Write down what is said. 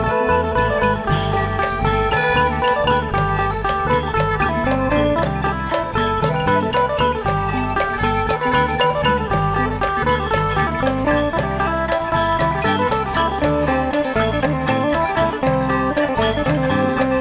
สวัสดีครับสวัสดีครับ